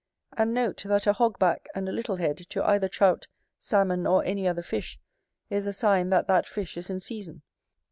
And note, that a hog back and a little head, to either Trout, Salmon or any other fish, is a sign that that fish is in season.